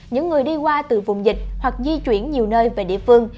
những người đi qua từ vùng dịch hoặc di chuyển nhiều nơi về địa phương